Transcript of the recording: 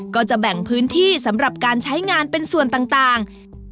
ก็จะแบ่งพื้นที่สำหรับการใช้งานเป็นส่วนต่าง